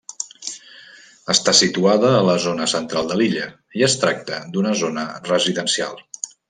Està situada a la zona central de l'illa i es tracta d'una zona residencial.